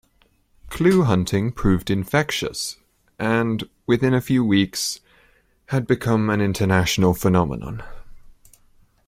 Clue-hunting proved infectious and, within a few weeks, had become an international phenomenon.